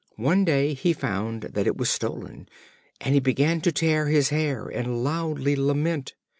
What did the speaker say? One day he found that it was stolen, and he began to tear his hair and loudly lament.